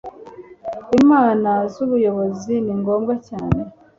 inama zubuyobozi ningombwa cyane